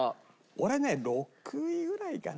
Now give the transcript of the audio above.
俺ね６位ぐらいかな。